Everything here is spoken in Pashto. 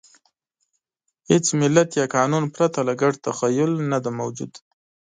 هېڅ ملت یا قانون پرته له ګډ تخیل نهدی موجود.